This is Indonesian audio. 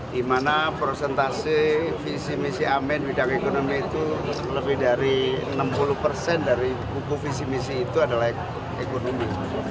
di mana prosentase visi misi amen bidang ekonomi itu lebih dari enam puluh persen dari buku visi misi itu adalah ekonomi